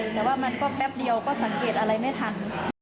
แต่ว่ามันก็แป๊บเดียวก็สังเกตอะไรไม่ทัน